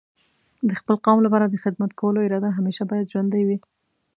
د خپل قوم لپاره د خدمت کولو اراده همیشه باید ژوندۍ وي.